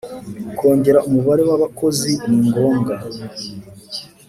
Kongera umubare w’Abakozi ni ngombwa